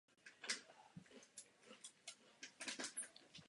Obě možné odpovědi vedou ihned ke sporu.